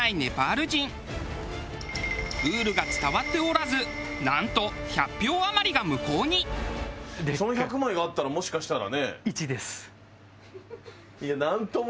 ルールが伝わっておらずなんとその１００枚があったらもしかしたらね。